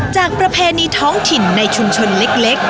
ประเพณีท้องถิ่นในชุมชนเล็ก